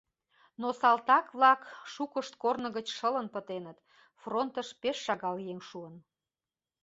Но салтак-влак шукышт корно гыч шылын пытеныт, фронтыш пеш шагал еҥ шуын.